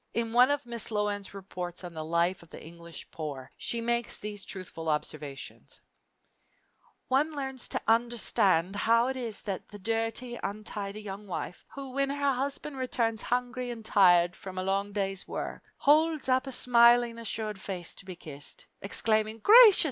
In one of Miss Loane's reports on the life of the English poor, she makes these truthful observations: One learns to understand how it is that the dirty, untidy young wife, who, when her husband returns hungry and tired from a long day's work, holds up a smilingly assured face to be kissed, exclaiming, "Gracious!